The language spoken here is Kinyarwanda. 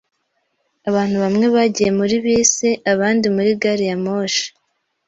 Abantu bamwe bagiye muri bisi, abandi muri gari ya moshi.